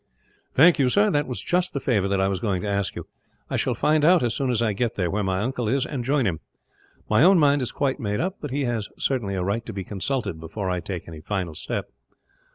"Thank you, sir; that was just the favour that I was going to ask you. I shall find out, as soon as I get there, where my uncle is; and join him. My own mind is quite made up, but he has certainly a right to be consulted, before I take any final step."